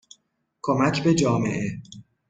کمک به جامعه